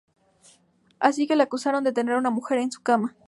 Así que le acusaron de tener a una mujer en su cama.